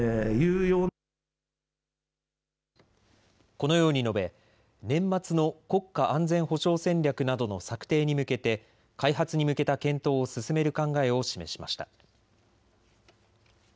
このように述べ年末の国家安全保障戦略などの策定に向けて開発に向けた検討を進める考えを示しました。